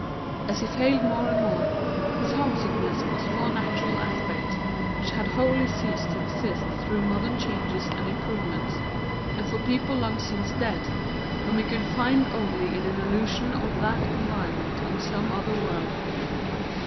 As he failed more and more, his homesickness was for natural aspects which had wholly ceased to exist through modern changes and improvements, and for people long since dead, whom he could find only in an illusion of that environment in some other world.